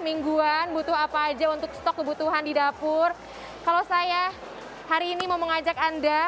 mingguan butuh apa aja untuk stok kebutuhan di dapur kalau saya hari ini mau mengajak anda